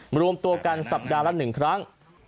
รวมตัวกันสัปดาห์ละ๑ครั้ง